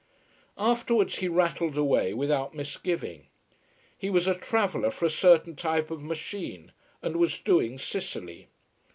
Afterwards he rattled away without misgiving. He was a traveller for a certain type of machine, and was doing Sicily.